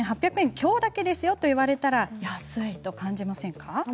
きょうだけですよと言われたら安いと感じませんか。